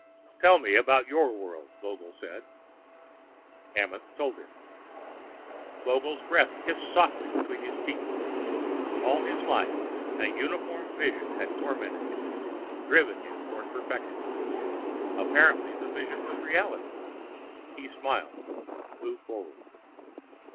"Tell me about your world," Vogel said. Amenth told him. Vogel's breath hissed softly between his teeth. All his life an unformed vision had tormented him, driven him toward perfection. Abruptly the vision was reality. He smiled, moved forward.